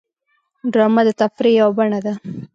ډرامه د تفریح یوه بڼه ده